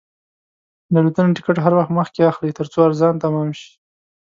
د الوتنې ټکټ هر وخت مخکې اخلئ، ترڅو ارزان تمام شي.